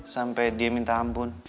sampe dia minta ampun